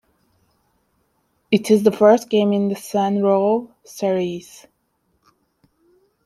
It is the first game in the "Saints Row" series.